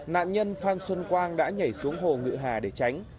nạn nhân phan xuân quang đã nhảy xuống hồ ngựa hà để tránh